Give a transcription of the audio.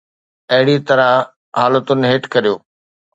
اهڙيءَ طرح حالتن هيٺ ڪريو.